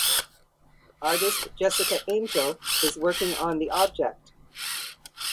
Artist Jessica Angel is working on the object.